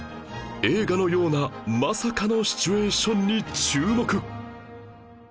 映画のようなまさかのシチュエーションに注目！